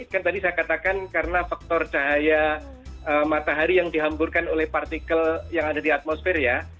kan tadi saya katakan karena faktor cahaya matahari yang dihamburkan oleh partikel yang ada di atmosfer ya